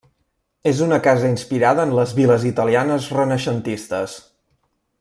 És una casa inspirada en les viles italianes renaixentistes.